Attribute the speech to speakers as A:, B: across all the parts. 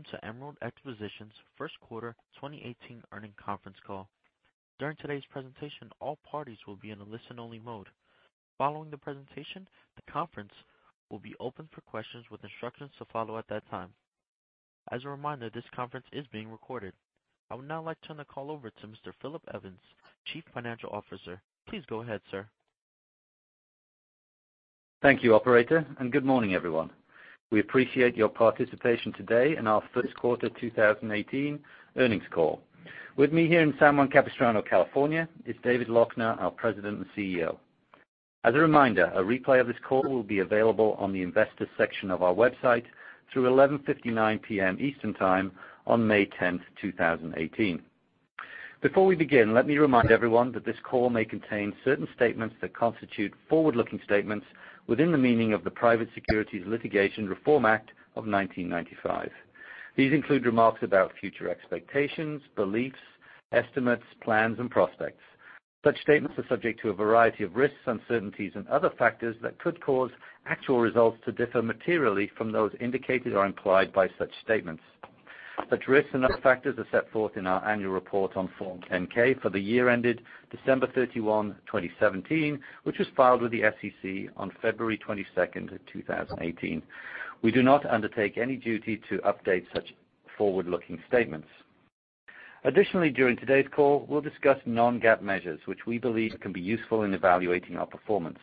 A: Welcome to Emerald Expositions' first quarter 2018 earnings conference call. During today's presentation, all parties will be in a listen-only mode. Following the presentation, the conference will be open for questions with instructions to follow at that time. As a reminder, this conference is being recorded. I would now like to turn the call over to Mr. Philip Evans, Chief Financial Officer. Please go ahead, sir.
B: Thank you, operator. Good morning, everyone. We appreciate your participation today in our first quarter 2018 earnings call. With me here in San Juan Capistrano, California, is David Loechner, our President and CEO. As a reminder, a replay of this call will be available on the investors section of our website through 11:59 P.M. Eastern Time on May 10, 2018. Before we begin, let me remind everyone that this call may contain certain statements that constitute forward-looking statements within the meaning of the Private Securities Litigation Reform Act of 1995. These include remarks about future expectations, beliefs, estimates, plans, and prospects. Such statements are subject to a variety of risks, uncertainties, and other factors that could cause actual results to differ materially from those indicated or implied by such statements. Such risks and other factors are set forth in our annual report on Form 10-K for the year ended December 31, 2017, which was filed with the SEC on February 22, 2018. We do not undertake any duty to update such forward-looking statements. Additionally, during today's call, we'll discuss non-GAAP measures, which we believe can be useful in evaluating our performance.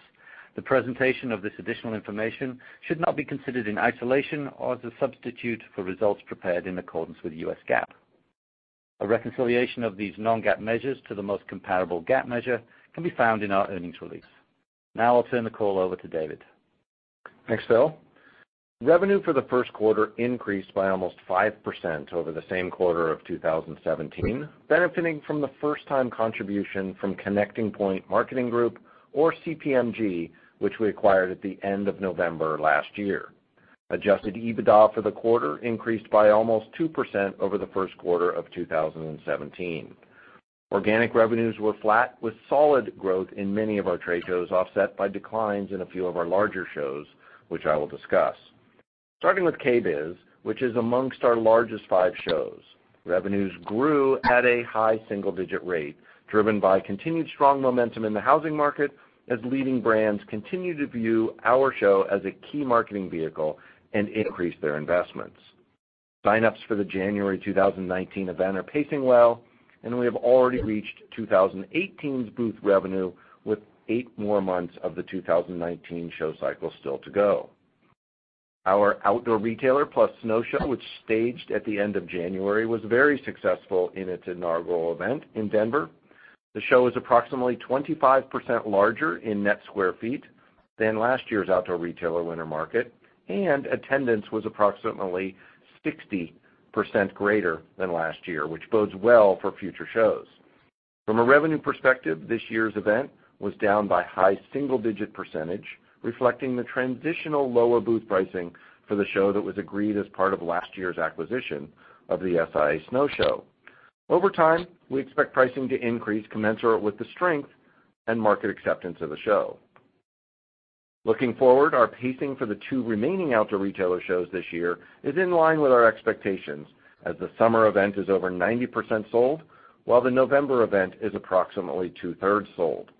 B: The presentation of this additional information should not be considered in isolation or as a substitute for results prepared in accordance with US GAAP. A reconciliation of these non-GAAP measures to the most comparable GAAP measure can be found in our earnings release. I'll turn the call over to David.
C: Thanks, Phil. Revenue for the first quarter increased by almost 5% over the same quarter of 2017, benefiting from the first-time contribution from Connecting Point Marketing Group, or CPMG, which we acquired at the end of November last year. Adjusted EBITDA for the quarter increased by almost 2% over the first quarter of 2017. Organic revenues were flat, with solid growth in many of our trade shows, offset by declines in a few of our larger shows, which I will discuss. Starting with KBIS, which is amongst our largest five shows, revenues grew at a high single-digit rate, driven by continued strong momentum in the housing market as leading brands continue to view our show as a key marketing vehicle and increase their investments. Sign-ups for the January 2019 event are pacing well. We have already reached 2018's booth revenue with eight more months of the 2019 show cycle still to go. Our Outdoor Retailer plus Snow Show, which staged at the end of January, was very successful in its inaugural event in Denver. The show is approximately 25% larger in net square feet than last year's Outdoor Retailer Winter Market, and attendance was approximately 60% greater than last year, which bodes well for future shows. From a revenue perspective, this year's event was down by high single-digit percentage, reflecting the transitional lower booth pricing for the show that was agreed as part of last year's acquisition of the SIA Snow Show. Over time, we expect pricing to increase commensurate with the strength and market acceptance of the show. Looking forward, our pacing for the two remaining Outdoor Retailer shows this year is in line with our expectations, as the summer event is over 90% sold, while the November event is approximately two-thirds sold.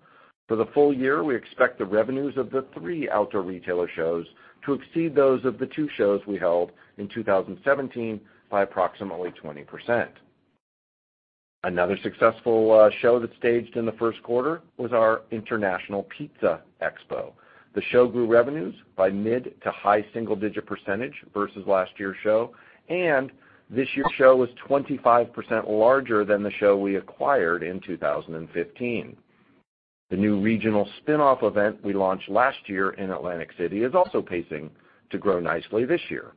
C: For the full year, we expect the revenues of the three Outdoor Retailer shows to exceed those of the two shows we held in 2017 by approximately 20%. Another successful show that staged in the first quarter was our International Pizza Expo. The show grew revenues by mid to high single-digit percentage versus last year's show, and this year's show was 25% larger than the show we acquired in 2015. The new regional spinoff event we launched last year in Atlantic City is also pacing to grow nicely this year.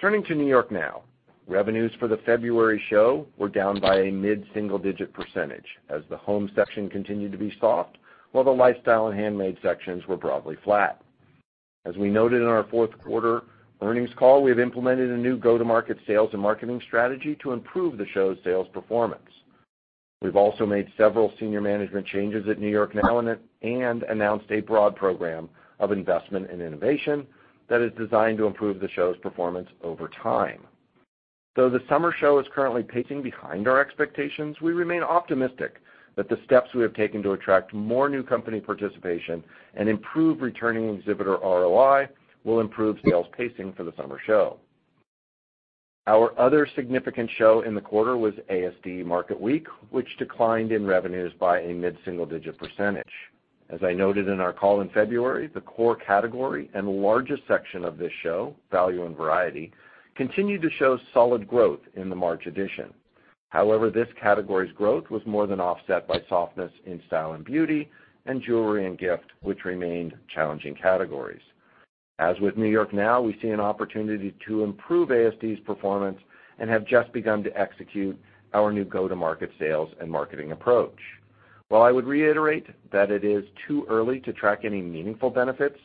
C: Turning to NY NOW, revenues for the February show were down by a mid-single digit percentage as the home section continued to be soft, while the lifestyle and handmade sections were broadly flat. As we noted in our fourth quarter earnings call, we have implemented a new go-to-market sales and marketing strategy to improve the show's sales performance. We've also made several senior management changes at NY NOW and announced a broad program of investment and innovation that is designed to improve the show's performance over time. Though the summer show is currently pacing behind our expectations, we remain optimistic that the steps we have taken to attract more new company participation and improve returning exhibitor ROI will improve sales pacing for the summer show. Our other significant show in the quarter was ASD Market Week, which declined in revenues by a mid-single digit percentage. As I noted in our call in February, the core category and largest section of this show, value and variety, continued to show solid growth in the March edition. However, this category's growth was more than offset by softness in style and beauty and jewelry and gift, which remained challenging categories. As with NY NOW, we see an opportunity to improve ASD's performance and have just begun to execute our new go-to-market sales and marketing approach. While I would reiterate that it is too early to track any meaningful benefits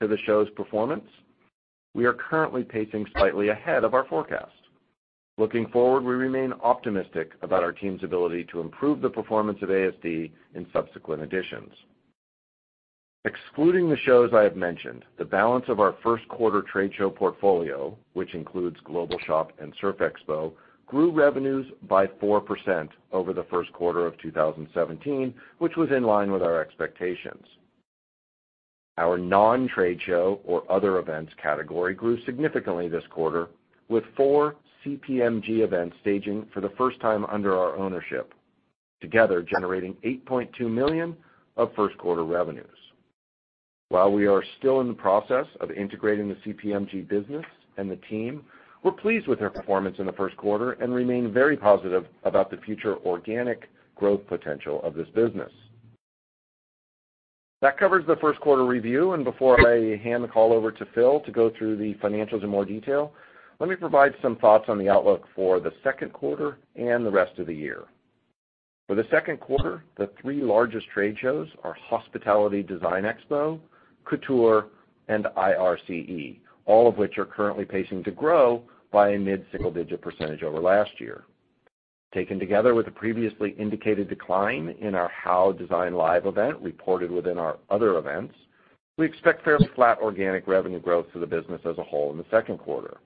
C: to the show's performance, we are currently pacing slightly ahead of our forecast. Looking forward, we remain optimistic about our team's ability to improve the performance of ASD in subsequent editions. Excluding the shows I have mentioned, the balance of our first quarter trade show portfolio, which includes GlobalShop and Surf Expo, grew revenues by 4% over the first quarter of 2017, which was in line with our expectations. Our non-trade show or other events category grew significantly this quarter with four CPMG events staging for the first time under our ownership, together generating $8.2 million of first quarter revenues. While we are still in the process of integrating the CPMG business and the team, we're pleased with their performance in the first quarter and remain very positive about the future organic growth potential of this business. That covers the first quarter review, and before I hand the call over to Phil to go through the financials in more detail, let me provide some thoughts on the outlook for the second quarter and the rest of the year. For the second quarter, the three largest trade shows are Hospitality Design Expo, Couture, and IRCE, all of which are currently pacing to grow by a mid-single-digit % over last year. Taken together with the previously indicated decline in our HOW Design Live event reported within our other events, we expect fairly flat organic revenue growth for the business as a whole in the second quarter.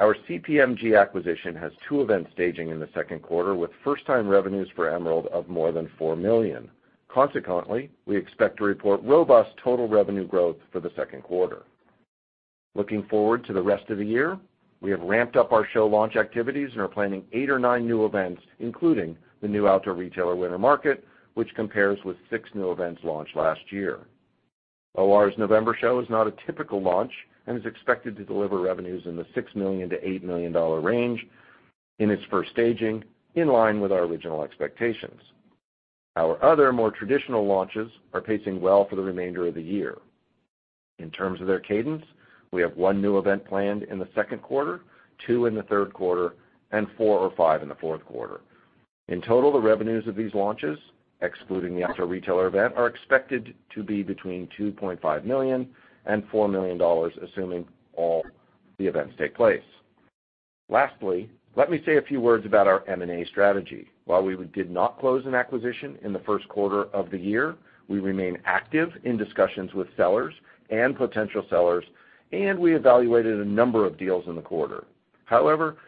C: Our CPMG acquisition has two events staging in the second quarter with first-time revenues for Emerald of more than $4 million. Consequently, we expect to report robust total revenue growth for the second quarter. Looking forward to the rest of the year, we have ramped up our show launch activities and are planning eight or nine new events, including the new Outdoor Retailer Winter Market, which compares with six new events launched last year. OR's November show is not a typical launch and is expected to deliver revenues in the $6 million to $8 million range in its first staging, in line with our original expectations. Our other more traditional launches are pacing well for the remainder of the year. In terms of their cadence, we have one new event planned in the second quarter, two in the third quarter, and four or five in the fourth quarter. In total, the revenues of these launches, excluding the Outdoor Retailer event, are expected to be between $2.5 million and $4 million, assuming all the events take place. Lastly, let me say a few words about our M&A strategy. While we did not close an acquisition in the first quarter of the year, we remain active in discussions with sellers and potential sellers, and we evaluated a number of deals in the quarter.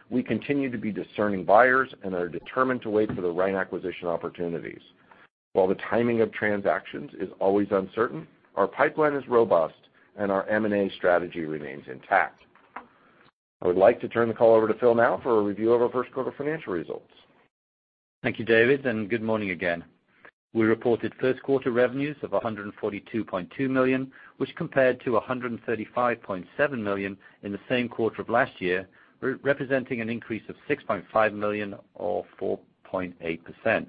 C: We continue to be discerning buyers and are determined to wait for the right acquisition opportunities. While the timing of transactions is always uncertain, our pipeline is robust, and our M&A strategy remains intact. I would like to turn the call over to Phil now for a review of our first quarter financial results.
B: Thank you, David, and good morning again. We reported first quarter revenues of $142.2 million, which compared to $135.7 million in the same quarter of last year, representing an increase of $6.5 million or 4.8%.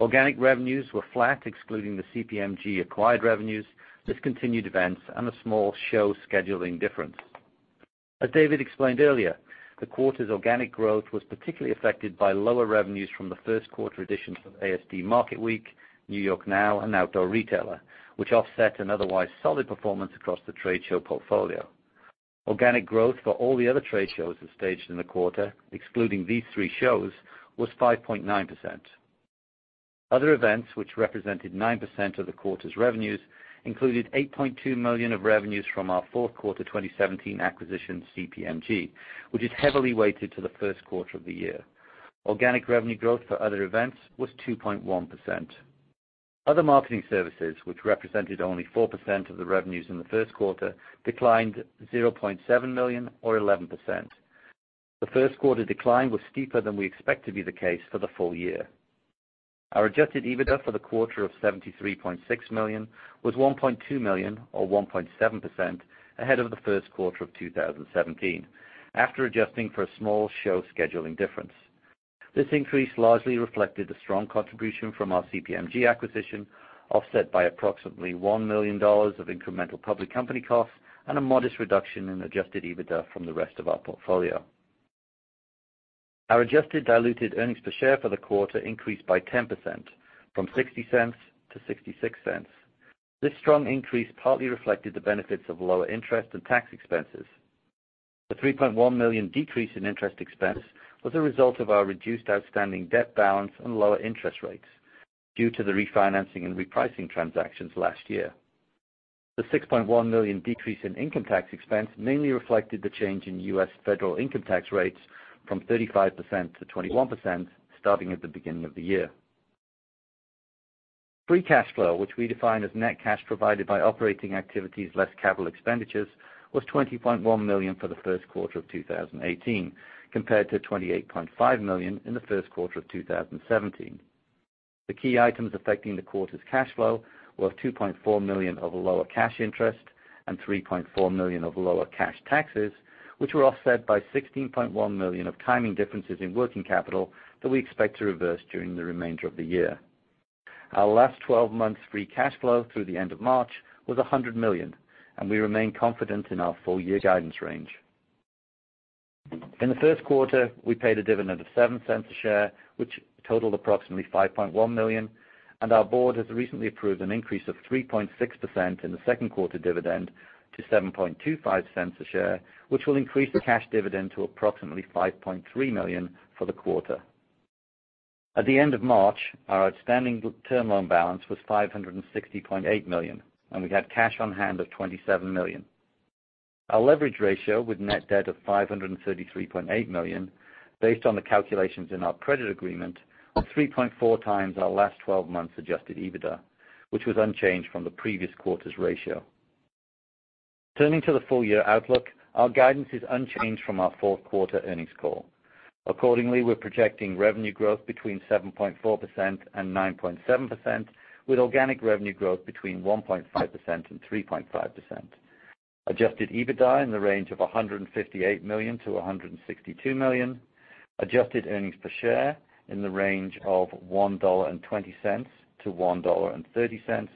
B: Organic revenues were flat, excluding the CPMG acquired revenues, discontinued events, and a small show scheduling difference. As David explained earlier, the quarter's organic growth was particularly affected by lower revenues from the first quarter additions of ASD Market Week, NY NOW, and Outdoor Retailer, which offset an otherwise solid performance across the trade show portfolio. Organic growth for all the other trade shows that staged in the quarter, excluding these three shows, was 5.9%. Other events which represented 9% of the quarter's revenues included $8.2 million of revenues from our fourth quarter 2017 acquisition, CPMG, which is heavily weighted to the first quarter of the year. Organic revenue growth for other events was 2.1%. Other marketing services, which represented only 4% of the revenues in the first quarter, declined $0.7 million or 11%. The first quarter decline was steeper than we expect to be the case for the full year. Our Adjusted EBITDA for the quarter of $73.6 million was $1.2 million or 1.7% ahead of the first quarter of 2017, after adjusting for a small show scheduling difference. This increase largely reflected the strong contribution from our CPMG acquisition, offset by approximately $1 million of incremental public company costs and a modest reduction in Adjusted EBITDA from the rest of our portfolio. Our adjusted diluted earnings per share for the quarter increased by 10%, from $0.60 to $0.66. This strong increase partly reflected the benefits of lower interest and tax expenses. The $3.1 million decrease in interest expense was a result of our reduced outstanding debt balance and lower interest rates due to the refinancing and repricing transactions last year. The $6.1 million decrease in income tax expense mainly reflected the change in U.S. federal income tax rates from 35% to 21% starting at the beginning of the year. Free cash flow, which we define as net cash provided by operating activities less capital expenditures, was $20.1 million for the first quarter of 2018, compared to $28.5 million in the first quarter of 2017. The key items affecting the quarter's cash flow were $2.4 million of lower cash interest and $3.4 million of lower cash taxes, which were offset by $16.1 million of timing differences in working capital that we expect to reverse during the remainder of the year. Our last 12 months free cash flow through the end of March was $100 million, and we remain confident in our full year guidance range. In the first quarter, we paid a dividend of $0.07 a share, which totaled approximately $5.1 million, and our board has recently approved an increase of 3.6% in the second quarter dividend to $0.0725 a share, which will increase the cash dividend to approximately $5.3 million for the quarter. At the end of March, our outstanding term loan balance was $560.8 million, and we had cash on hand of $27 million. Our leverage ratio with net debt of $533.8 million, based on the calculations in our credit agreement, was 3.4 times our last 12 months Adjusted EBITDA, which was unchanged from the previous quarter's ratio. Turning to the full-year outlook, our guidance is unchanged from our fourth quarter earnings call. Accordingly, we're projecting revenue growth between 7.4% and 9.7%, with organic revenue growth between 1.5% and 3.5%. Adjusted EBITDA in the range of $158 million-$162 million, adjusted diluted earnings per share in the range of $1.20 to $1.30,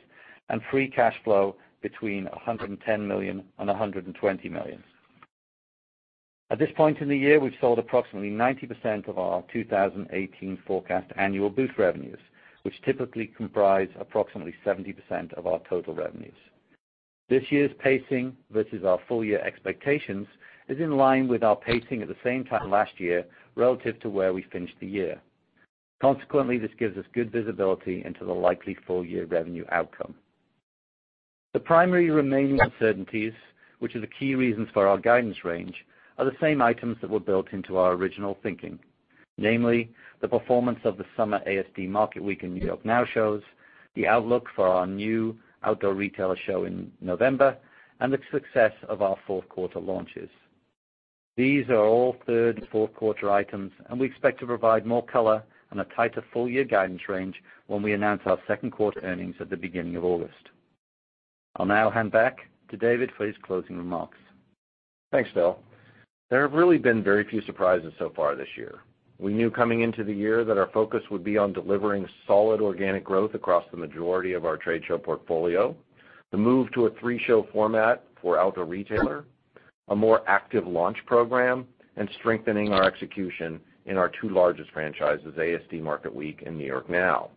B: and free cash flow between $110 million and $120 million. At this point in the year, we've sold approximately 90% of our 2018 forecast annual booth revenues, which typically comprise approximately 70% of our total revenues. This year's pacing versus our full-year expectations is in line with our pacing at the same time last year relative to where we finished the year. This gives us good visibility into the likely full-year revenue outcome. The primary remaining uncertainties, which are the key reasons for our guidance range, are the same items that were built into our original thinking. Namely, the performance of the summer ASD Market Week and NY NOW shows, the outlook for our new Outdoor Retailer show in November, and the success of our fourth quarter launches. These are all third and fourth quarter items, and we expect to provide more color on a tighter full-year guidance range when we announce our second quarter earnings at the beginning of August. I'll now hand back to David for his closing remarks.
C: Thanks, Phil. There have really been very few surprises so far this year. We knew coming into the year that our focus would be on delivering solid organic growth across the majority of our trade show portfolio, the move to a three-show format for Outdoor Retailer, a more active launch program, and strengthening our execution in our two largest franchises, ASD Market Week and NY NOW.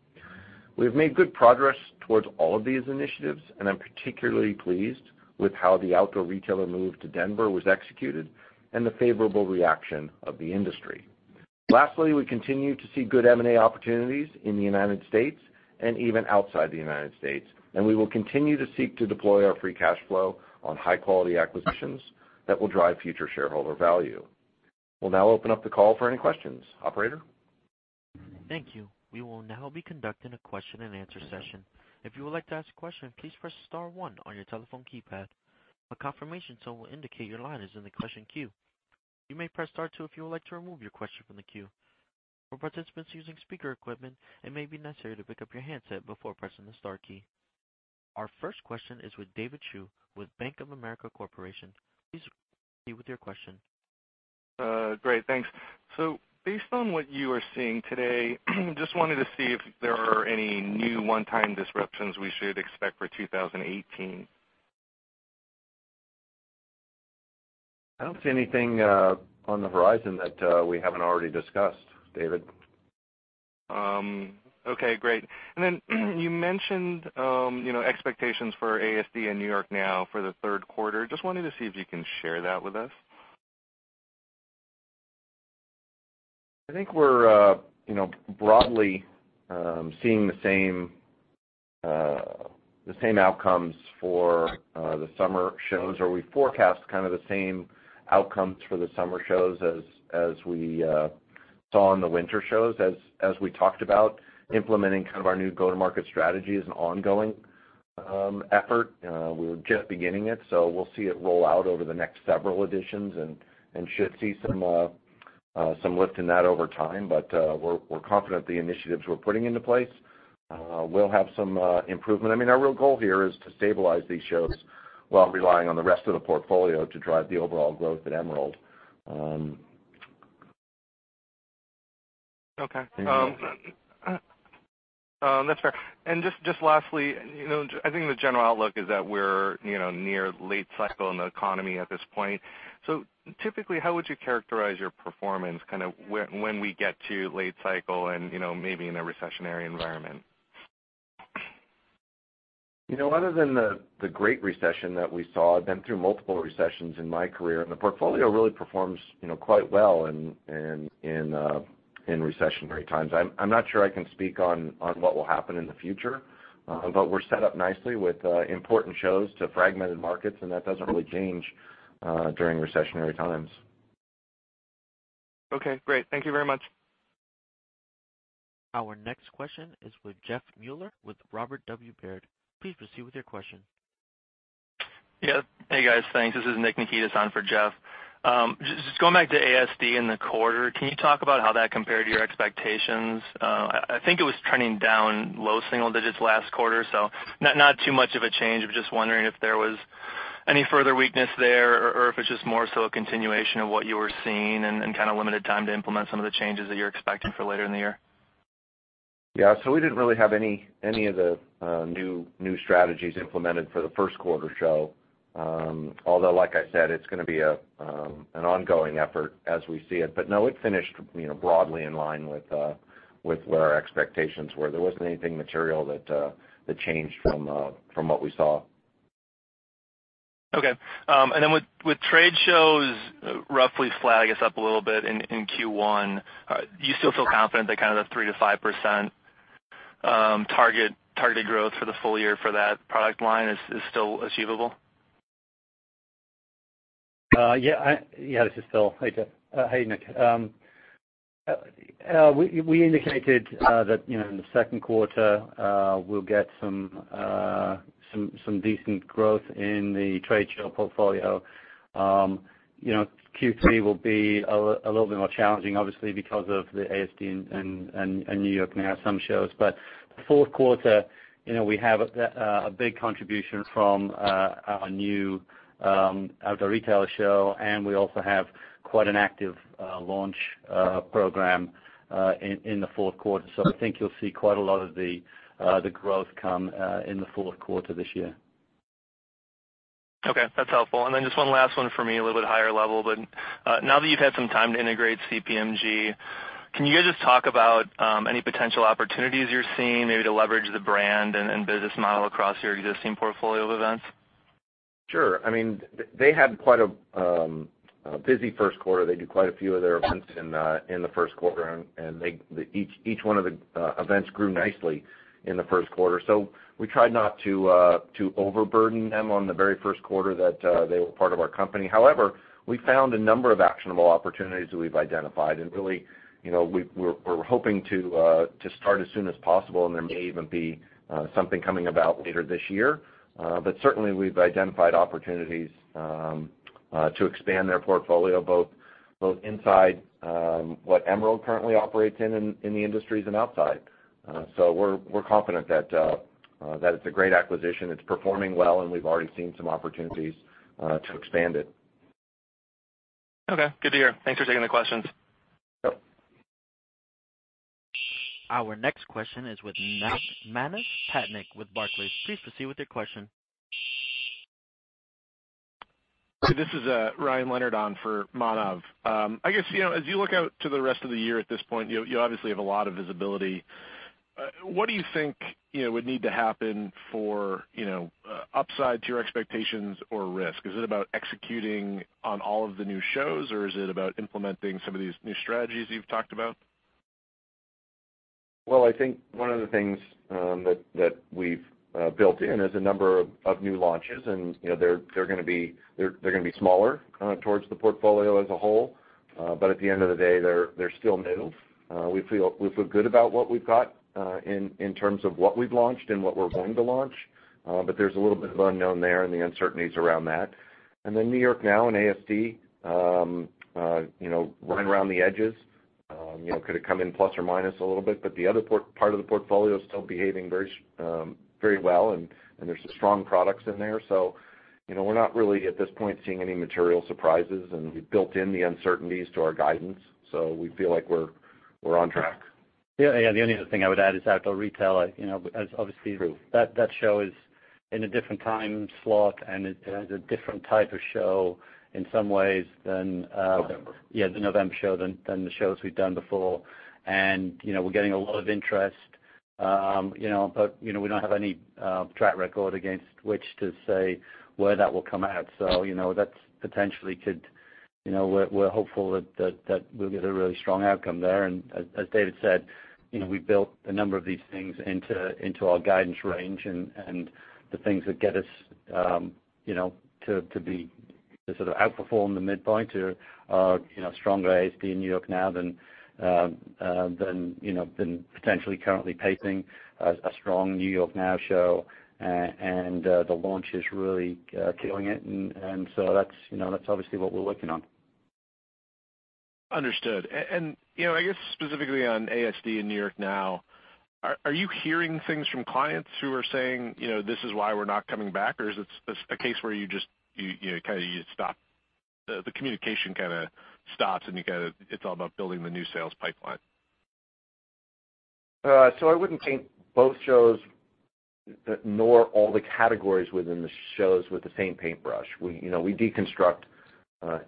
C: We've made good progress towards all of these initiatives, and I'm particularly pleased with how the Outdoor Retailer move to Denver was executed and the favorable reaction of the industry. Lastly, we continue to see good M&A opportunities in the U.S. and even outside the U.S., and we will continue to seek to deploy our free cash flow on high-quality acquisitions that will drive future shareholder value. We'll now open up the call for any questions. Operator?
A: Thank you. We will now be conducting a question and answer session. If you would like to ask a question, please press star one on your telephone keypad. A confirmation tone will indicate your line is in the question queue. You may press star two if you would like to remove your question from the queue. For participants using speaker equipment, it may be necessary to pick up your handset before pressing the star key. Our first question is with David Chu with Bank of America Corporation. Please proceed with your question.
D: Great. Thanks. Based on what you are seeing today, just wanted to see if there are any new one-time disruptions we should expect for 2018.
C: I don't see anything on the horizon that we haven't already discussed, David.
D: Okay, great. You mentioned expectations for ASD and NY NOW for the third quarter. Just wanted to see if you can share that with us.
C: I think we're broadly seeing the same outcomes for the summer shows, or we forecast kind of the same outcomes for the summer shows as we saw in the winter shows, as we talked about implementing kind of our new go-to-market strategy as an ongoing effort. We're just beginning it, so we'll see it roll out over the next several editions and should see some lift in that over time. We're confident the initiatives we're putting into place will have some improvement. I mean, our real goal here is to stabilize these shows while relying on the rest of the portfolio to drive the overall growth at Emerald.
D: Okay. That's fair. Just lastly, I think the general outlook is that we're near late cycle in the economy at this point. Typically, how would you characterize your performance kind of when we get to late cycle and maybe in a recessionary environment?
C: Other than the great recession that we saw, I've been through multiple recessions in my career. The portfolio really performs quite well in recessionary times. I'm not sure I can speak on what will happen in the future, but we're set up nicely with important shows to fragmented markets. That doesn't really change during recessionary times.
D: Okay, great. Thank you very much.
A: Our next question is with Jeff Meuler with Robert W. Baird. Please proceed with your question.
E: Hey, guys. Thanks. This is Nick Nikitas on for Jeff. Going back to ASD in the quarter, can you talk about how that compared to your expectations? I think it was trending down low single digits last quarter, not too much of a change. Wondering if there was any further weakness there, if it's just more so a continuation of what you were seeing and kind of limited time to implement some of the changes that you're expecting for later in the year.
C: Yeah. We didn't really have any of the new strategies implemented for the first quarter show. Although, like I said, it's going to be an ongoing effort as we see it. No, it finished broadly in line with what our expectations were. There wasn't anything material that changed from what we saw.
E: Okay. With trade shows roughly flat, I guess up a little bit in Q1, do you still feel confident that kind of the 3%-5% target growth for the full year for that product line is still achievable?
B: Yeah. This is Phil. Hey, Nick. We indicated that in the second quarter, we'll get some decent growth in the trade show portfolio. Q3 will be a little bit more challenging, obviously, because of the ASD and NY NOW, some shows. The fourth quarter, we have a big contribution from our new Outdoor Retailer show, and we also have quite an active launch program in the fourth quarter. I think you'll see quite a lot of the growth come in the fourth quarter this year.
E: Okay, that's helpful. Just one last one for me, a little bit higher level, but now that you've had some time to integrate CPMG, can you guys just talk about any potential opportunities you're seeing maybe to leverage the brand and business model across your existing portfolio of events?
C: Sure. They had quite a busy first quarter. They do quite a few of their events in the first quarter, and each one of the events grew nicely in the first quarter. We tried not to overburden them on the very first quarter that they were part of our company. However, we found a number of actionable opportunities that we've identified and really, we're hoping to start as soon as possible, and there may even be something coming about later this year. Certainly, we've identified opportunities to expand their portfolio, both inside what Emerald currently operates in the industries, and outside. We're confident that it's a great acquisition, it's performing well, and we've already seen some opportunities to expand it.
E: Okay. Good to hear. Thanks for taking the questions.
C: Yep.
A: Our next question is with Manav Patnaik with Barclays. Please proceed with your question.
F: This is Ryan Leonard on for Manav. I guess, as you look out to the rest of the year at this point, you obviously have a lot of visibility. What do you think would need to happen for upside to your expectations or risk? Is it about executing on all of the new shows, or is it about implementing some of these new strategies you've talked about?
C: Well, I think one of the things that we've built in is a number of new launches. They're going to be smaller towards the portfolio as a whole. At the end of the day, they're still new. We feel good about what we've got in terms of what we've launched and what we're going to launch. There's a little bit of unknown there and the uncertainties around that. NY NOW and ASD, running around the edges, could have come in plus or minus a little bit. The other part of the portfolio is still behaving very well, and there's some strong products in there. We're not really, at this point, seeing any material surprises, and we've built in the uncertainties to our guidance. We feel like we're on track.
B: Yeah. The only other thing I would add is Outdoor Retailer.
C: True.
B: Obviously, that show is in a different time slot. It has a different type of show in some ways than-
C: November
B: The November show than the shows we've done before. We're getting a lot of interest, but we don't have any track record against which to say where that will come out. We're hopeful that we'll get a really strong outcome there. As David said, we built a number of these things into our guidance range, and the things that get us to sort of outperform the mid-point are stronger ASD in NY NOW than potentially currently pacing a strong NY NOW show, and the launch is really killing it. That's obviously what we're working on.
F: Understood. I guess specifically on ASD in NY NOW, are you hearing things from clients who are saying, "This is why we're not coming back"? Or is it a case where the communication kind of stops, and it's all about building the new sales pipeline?
C: I wouldn't paint both shows, nor all the categories within the shows, with the same paintbrush. We deconstruct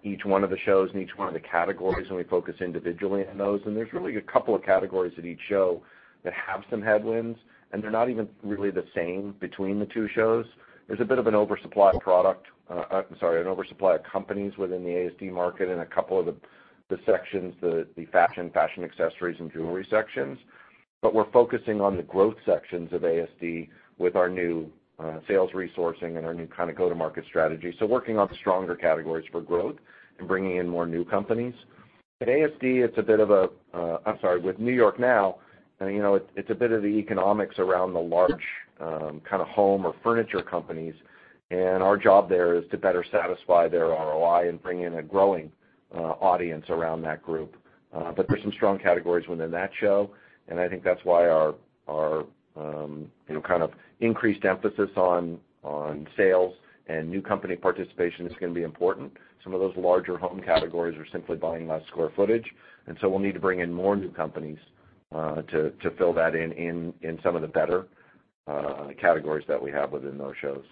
C: each one of the shows and each one of the categories, and we focus individually on those. There's really a couple of categories at each show that have some headwinds, and they're not even really the same between the two shows. There's a bit of an oversupply of companies within the ASD market in a couple of the sections, the fashion accessories, and jewelry sections. We're focusing on the growth sections of ASD with our new sales resourcing and our new kind of go-to-market strategy. Working on the stronger categories for growth and bringing in more new companies. At ASD, with NY NOW, it's a bit of the economics around the large home or furniture companies. Our job there is to better satisfy their ROI and bring in a growing audience around that group. There's some strong categories within that show, I think that's why our increased emphasis on sales and new company participation is going to be important. Some of those larger home categories are simply buying less square footage, we'll need to bring in more new companies to fill that in some of the better categories that we have within those shows.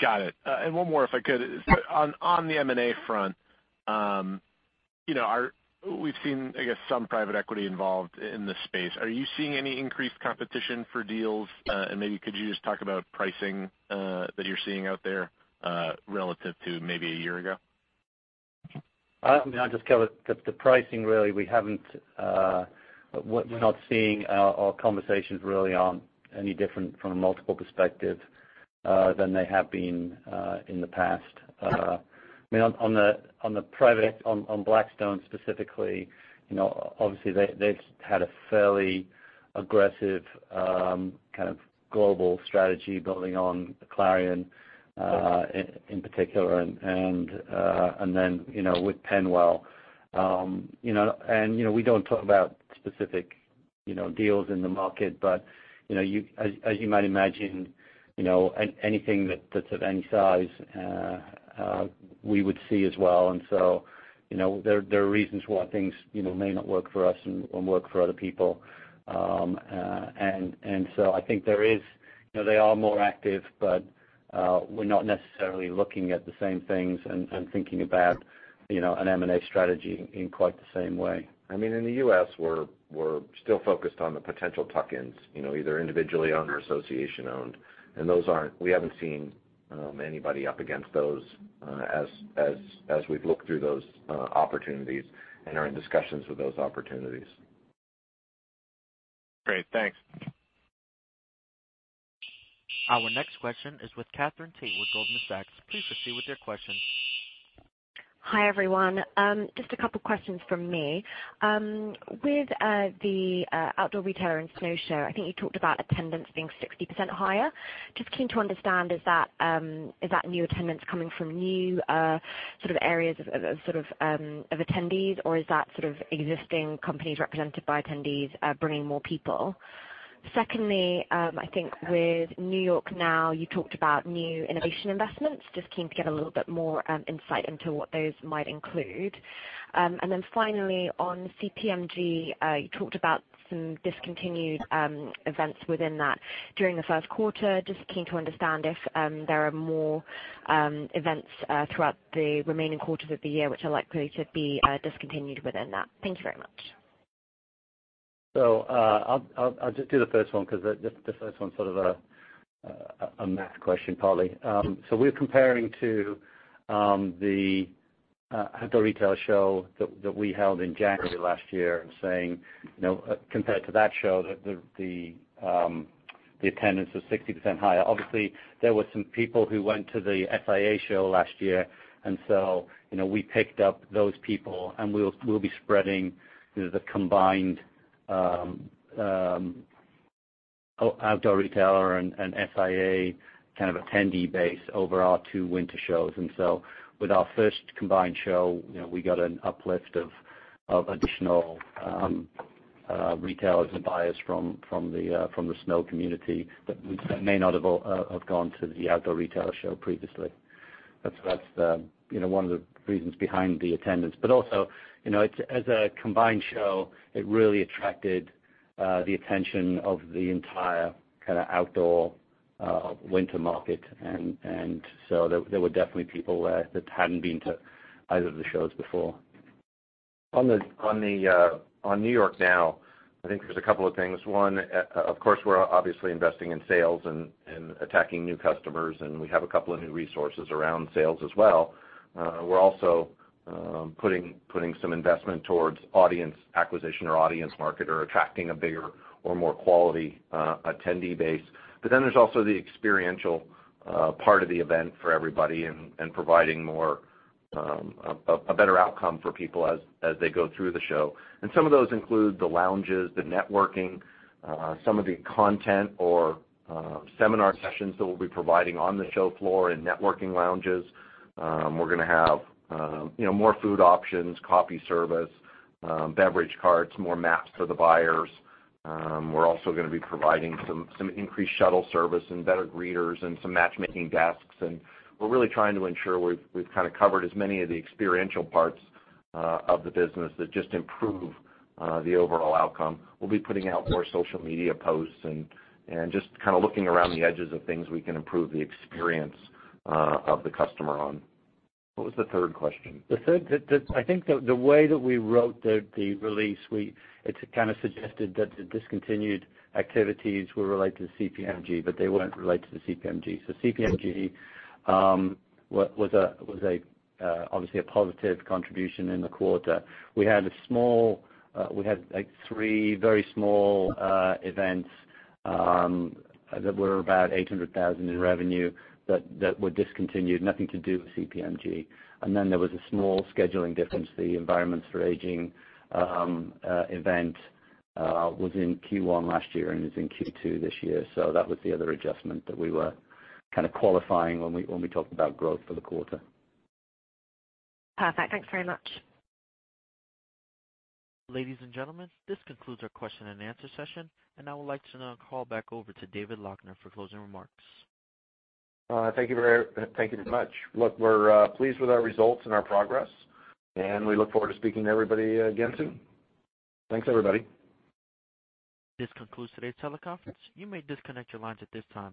F: Got it. One more if I could. On the M&A front, we've seen, I guess, some private equity involved in this space. Are you seeing any increased competition for deals? Maybe could you just talk about pricing that you're seeing out there, relative to maybe a year ago?
B: I'll just cover the pricing really. We're not seeing our conversations really are any different from a multiple perspective than they have been in the past. On Blackstone specifically, obviously they've had a fairly aggressive kind of global strategy building on Clarion in particular, and then with PennWell. We don't talk about specific deals in the market, but as you might imagine, anything that's of any size, we would see as well. There are reasons why things may not work for us and work for other people. I think they are more active, but we're not necessarily looking at the same things and thinking about an M&A strategy in quite the same way.
C: In the U.S., we're still focused on the potential tuck-ins, either individually owned or association owned, and we haven't seen anybody up against those as we've looked through those opportunities and are in discussions with those opportunities.
F: Great. Thanks.
A: Our next question is with Katherine Tait with Goldman Sachs. Please proceed with your question.
G: Hi, everyone. Just a couple questions from me. With the Outdoor Retailer and Snow Show, I think you talked about attendance being 60% higher. Just keen to understand, is that new attendance coming from new sort of areas of attendees, or is that sort of existing companies represented by attendees bringing more people? Secondly, I think with NY NOW, you talked about new innovation investments. Just keen to get a little bit more insight into what those might include. Then finally, on CPMG, you talked about some discontinued events within that during the first quarter. Just keen to understand if there are more events throughout the remaining quarters of the year, which are likely to be discontinued within that. Thank you very much.
B: I'll just do the first one, because the first one's sort of a math question, partly. We're comparing to the Outdoor Retailer show that we held in January last year and saying, compared to that show, the attendance was 60% higher. Obviously, there were some people who went to the SIA show last year, and so, we picked up those people, and we'll be spreading the combined Outdoor Retailer and SIA kind of attendee base over our two winter shows. With our first combined show, we got an uplift of additional retailers and buyers from the snow community that may not have gone to the Outdoor Retailer show previously. That's one of the reasons behind the attendance. Also, as a combined show, it really attracted the attention of the entire kind of outdoor winter market, and so there were definitely people there that hadn't been to either of the shows before.
C: On NY NOW, I think there's a couple of things. One, of course, we're obviously investing in sales and attacking new customers, and we have a couple of new resources around sales as well. We're also putting some investment towards audience acquisition or audience market, or attracting a bigger or more quality attendee base. There's also the experiential part of the event for everybody and providing a better outcome for people as they go through the show. Some of those include the lounges, the networking, some of the content or seminar sessions that we'll be providing on the show floor and networking lounges. We're going to have more food options, coffee service, beverage carts, more maps for the buyers. We're also going to be providing some increased shuttle service and better greeters and some matchmaking desks. We're really trying to ensure we've kind of covered as many of the experiential parts of the business that just improve the overall outcome. We'll be putting out more social media posts and just kind of looking around the edges of things we can improve the experience of the customer on. What was the third question?
B: The third, I think the way that we wrote the release, it kind of suggested that the discontinued activities were related to CPMG, they weren't related to the CPMG. CPMG was obviously a positive contribution in the quarter. We had like three very small events, that were about $800,000 in revenue, but that were discontinued. Nothing to do with CPMG. There was a small scheduling difference, the Environments for Aging event was in Q1 last year and is in Q2 this year. That was the other adjustment that we were kind of qualifying when we talked about growth for the quarter.
G: Perfect. Thanks very much.
A: Ladies and gentlemen, this concludes our question and answer session. I would like to now call back over to David Loechner for closing remarks.
C: Thank you very much. We're pleased with our results and our progress. We look forward to speaking to everybody again soon. Thanks, everybody.
A: This concludes today's teleconference. You may disconnect your lines at this time.